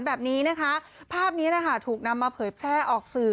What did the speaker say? แบบนี้นะคะภาพนี้นะคะถูกนำมาเผยแพร่ออกสื่อ